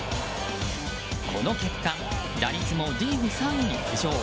この結果打率もリーグ３位に浮上。